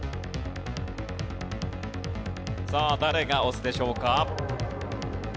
さあ誰が押すでしょうか。